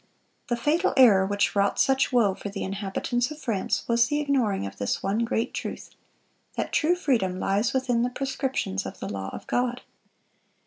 The fatal error which wrought such woe for the inhabitants of France was the ignoring of this one great truth: that true freedom lies within the proscriptions of the law of God.